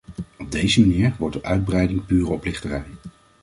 Op deze manier wordt de uitbreiding pure oplichterij.